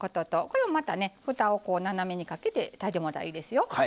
これもまたねふたを斜めにかけて炊いてもらうといいですよ。